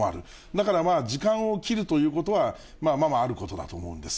だからまあ、時間を切るということは、ままあることだと思うんです。